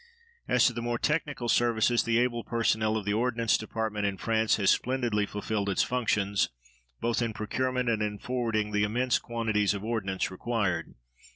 As to the more technical services, the able personnel of the Ordnance Department in France has splendidly fulfilled its functions, both in procurement and in forwarding the immense quantities of ordnance required.